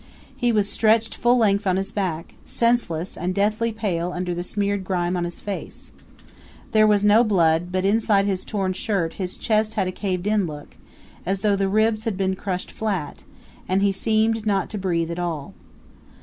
He was stretched full length on his back, senseless and deathly pale under the smeared grime on his face. There was no blood; but inside his torn shirt his chest had a caved in look, as though the ribs had been crushed flat, and he seemed not to breathe at all.